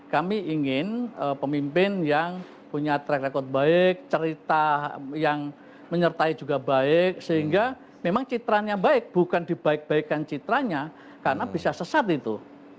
kami ingin pemimpin yang punya track record baik cerita yang menyertai juga baik sehingga memang citranya baik bukan dibaik baikkan citranya karena bisa sesat itu